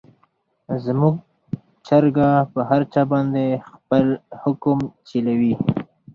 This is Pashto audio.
زموږ چرګه په هر چا باندې خپل حکم چلوي.